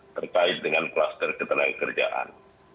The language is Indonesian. terkait dengan kluster ketenaga kerjaan